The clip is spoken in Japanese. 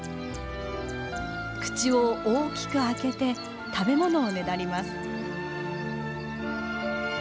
口を大きく開けて食べ物をねだります。